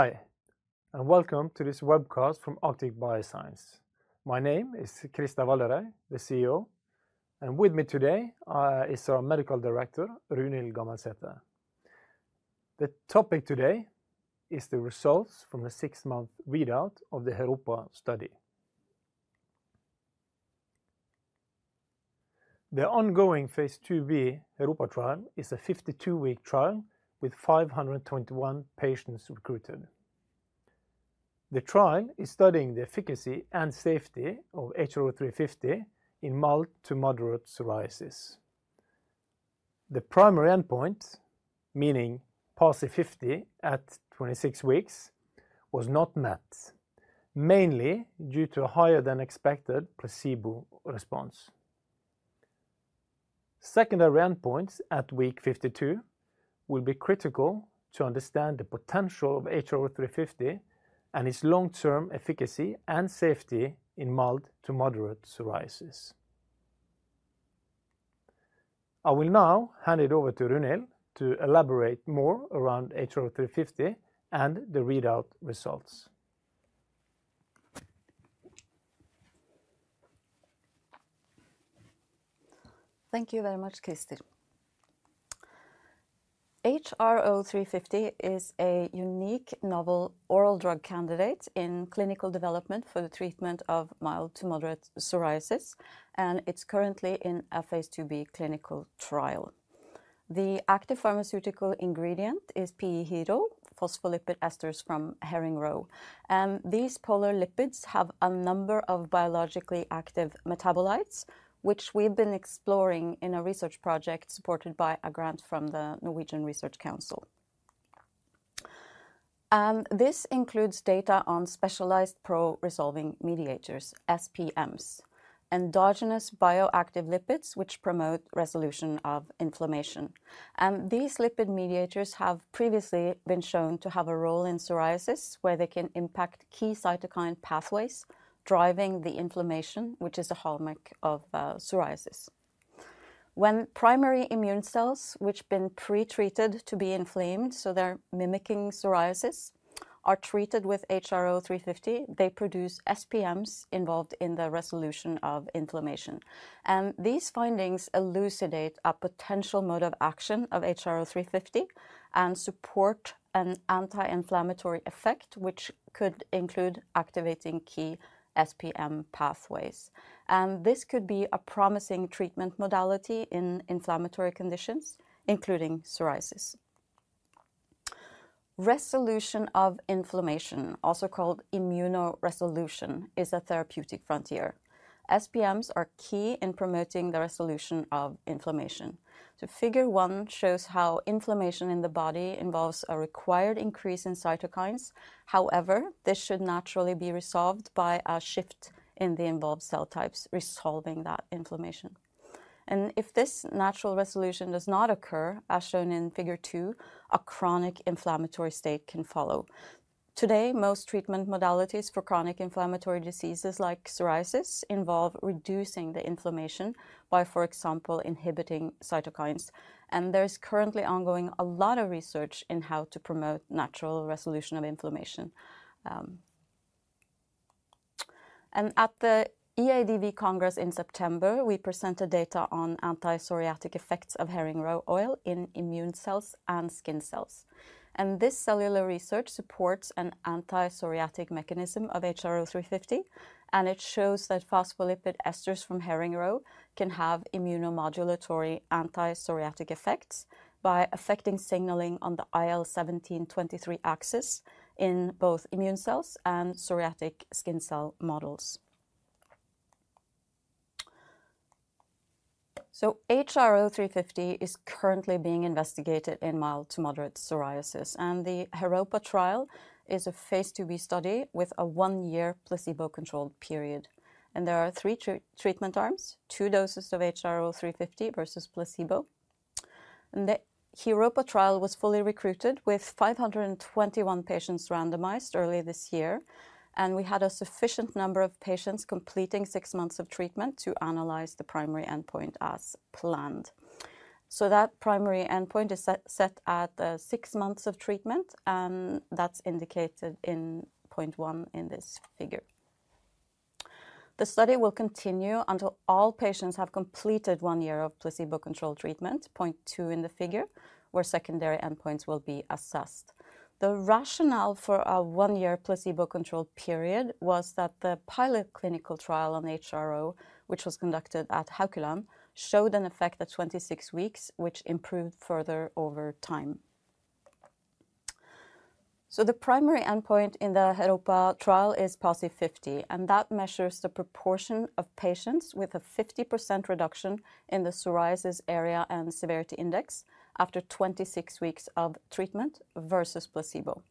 Hi, and welcome to this webcast from Arctic Bioscience. My name is Christer Valderhaug, the CEO, and with me today is our medical director, Runhild Gammelsæter. The topic today is the results from the six-month readout of the HeROPA study. The ongoing phase IIb HeROPA trial is a 52-week trial with 521 patients recruited. The trial is studying the efficacy and safety of HRO350 in mild to moderate psoriasis. The primary endpoint, meaning PASI 50 at 26 weeks, was not met, mainly due to a higher-than-expected placebo response. Secondary endpoints at week 52 will be critical to understand the potential of HRO350 and its long-term efficacy and safety in mild to moderate psoriasis. I will now hand it over to Runhild to elaborate more around HRO350 and the readout results. Thank you very much, Christer. HRO350 is a unique novel oral drug candidate in clinical development for the treatment of mild to moderate psoriasis, and it's currently in a phase IIb clinical trial. The active pharmaceutical ingredient is PEs, phospholipid esters from herring roe, and these polar lipids have a number of biologically active metabolites, which we've been exploring in a research project supported by a grant from the Norwegian Research Council. This includes data on specialized pro-resolving mediators, SPMs, endogenous bioactive lipids, which promote resolution of inflammation, and these lipid mediators have previously been shown to have a role in psoriasis, where they can impact key cytokine pathways, driving the inflammation, which is a hallmark of psoriasis. When primary immune cells, which been pretreated to be inflamed, so they're mimicking psoriasis, are treated with HRO350, they produce SPMs involved in the resolution of inflammation. These findings elucidate a potential mode of action of HRO350 and support an anti-inflammatory effect, which could include activating key SPM pathways. This could be a promising treatment modality in inflammatory conditions, including psoriasis. Resolution of inflammation, also called immunoresolution, is a therapeutic frontier. SPMs are key in promoting the resolution of inflammation. Figure one shows how inflammation in the body involves a required increase in cytokines. However, this should naturally be resolved by a shift in the involved cell types, resolving that inflammation. If this natural resolution does not occur, as shown in figure two, a chronic inflammatory state can follow. Today, most treatment modalities for chronic inflammatory diseases like psoriasis involve reducing the inflammation by, for example, inhibiting cytokines. There is currently ongoing a lot of research in how to promote natural resolution of inflammation. And at the EADV Congress in September, we presented data on anti-psoriatic effects of herring roe oil in immune cells and skin cells. And this cellular research supports an anti-psoriatic mechanism of HRO350, and it shows that phospholipid esters from herring roe can have immunomodulatory anti-psoriatic effects by affecting signaling on the IL-17/IL-23 axis in both immune cells and psoriatic skin cell models. So HRO350 is currently being investigated in mild to moderate psoriasis, and the HeROPA trial is a phase IIb study with a one-year placebo-controlled period. And there are three treatment arms, two doses of HRO350 versus placebo. And the HeROPA trial was fully recruited, with 521 patients randomized early this year, and we had a sufficient number of patients completing six months of treatment to analyze the primary endpoint as planned. That primary endpoint is set at six months of treatment, and that's indicated in point one in this figure. The study will continue until all patients have completed one year of placebo-controlled treatment, point two in the figure, where secondary endpoints will be assessed. The rationale for a one-year placebo-controlled period was that the pilot clinical trial on HRO, which was conducted at Haukeland, showed an effect at 26 weeks, which improved further over time. The primary endpoint in the HeROPA trial is PASI 50, and that measures the proportion of patients with a 50% reduction in the psoriasis area and severity index after 26 weeks of treatment versus placebo.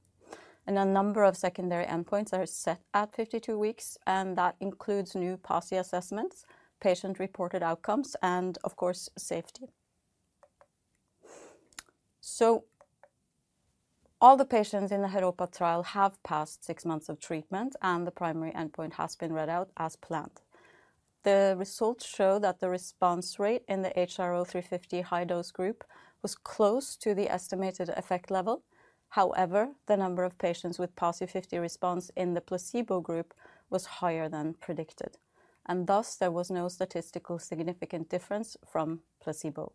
A number of secondary endpoints are set at 52 weeks, and that includes new PASI assessments, patient-reported outcomes, and of course, safety. All the patients in the HeROPA trial have passed six months of treatment, and the primary endpoint has been read out as planned. The results show that the response rate in the HRO350 high dose group was close to the estimated effect level. However, the number of patients with PASI 50 response in the placebo group was higher than predicted, and thus, there was no statistically significant difference from placebo.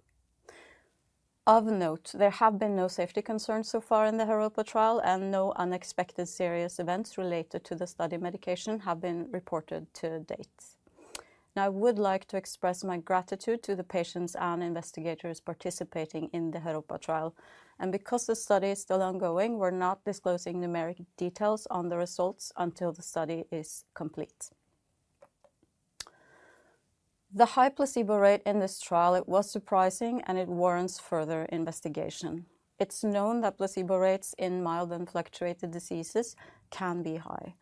Of note, there have been no safety concerns so far in the HeROPA trial, and no unexpected serious events related to the study medication have been reported to date. Now, I would like to express my gratitude to the patients and investigators participating in the HeROPA trial, and because the study is still ongoing, we're not disclosing numeric details on the results until the study is complete. The high placebo rate in this trial, it was surprising, and it warrants further investigation. It's known that placebo rates in mild and fluctuating diseases can be high.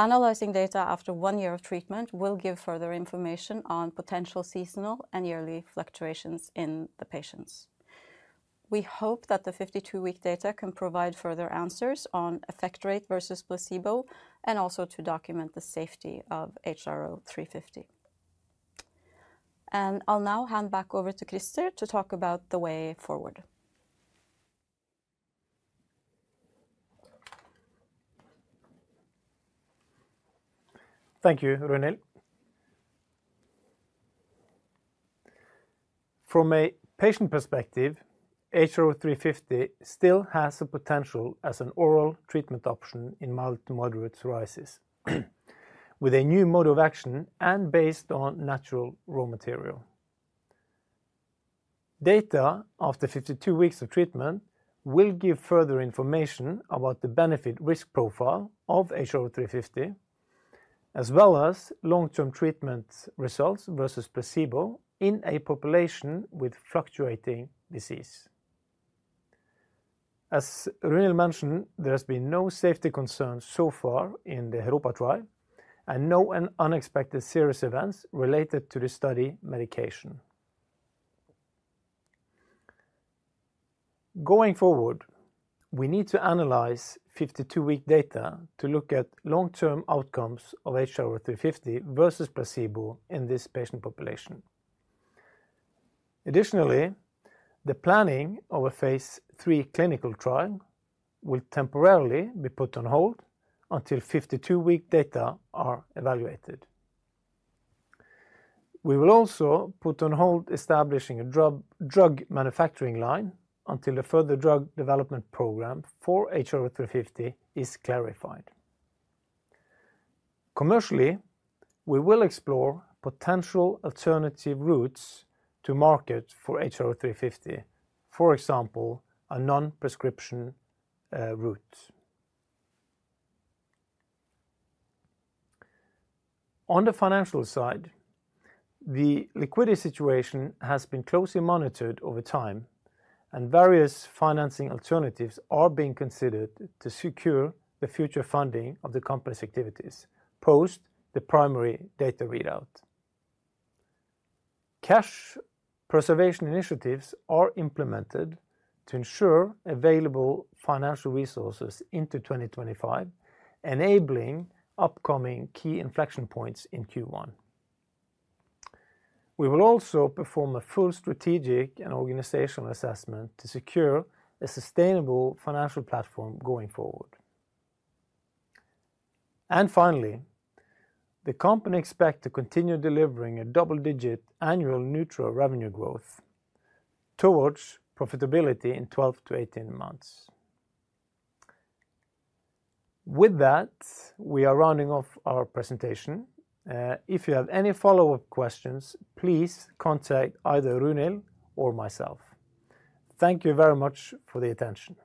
Analyzing data after one year of treatment will give further information on potential seasonal and yearly fluctuations in the patients. We hope that the 52-week data can provide further answers on effect rate versus placebo, and also to document the safety of HRO350, and I'll now hand back over to Christer to talk about the way forward. Thank you, Runhild. From a patient perspective, HRO350 still has the potential as an oral treatment option in mild to moderate psoriasis, with a new mode of action and based on natural raw material. Data after 52 weeks of treatment will give further information about the benefit-risk profile of HRO350, as well as long-term treatment results versus placebo in a population with fluctuating disease. As Runhild mentioned, there has been no safety concerns so far in the HeROPA trial, and no unexpected serious events related to the study medication. Going forward, we need to analyze 52-week data to look at long-term outcomes of HRO350 versus placebo in this patient population. Additionally, the planning of a phase III clinical trial will temporarily be put on hold until 52-week data are evaluated. We will also put on hold establishing a drug manufacturing line until the further drug development program for HRO350 is clarified. Commercially, we will explore potential alternative routes to market for HRO350. For example, a non-prescription route. On the financial side, the liquidity situation has been closely monitored over time, and various financing alternatives are being considered to secure the future funding of the company's activities post the primary data readout. Cash preservation initiatives are implemented to ensure available financial resources into 2025, enabling upcoming key inflection points in Q1. We will also perform a full strategic and organizational assessment to secure a sustainable financial platform going forward. Finally, the company expects to continue delivering double-digit annual nutra revenue growth towards profitability in 12 to 18 months. With that, we are rounding off our presentation. If you have any follow-up questions, please contact either Runhild or myself. Thank you very much for the attention.